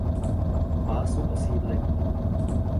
Pásu osídlení.